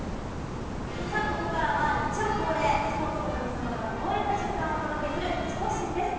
ここからは、日曜恒例スポーツの神様がほほ笑んだ瞬間をお届けするスポ神です。